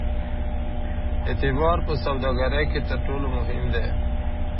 اعتبار په سوداګرۍ کې تر ټولو مهم دی.